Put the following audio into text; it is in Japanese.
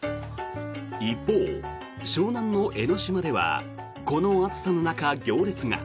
一方、湘南の江の島ではこの暑さの中、行列が。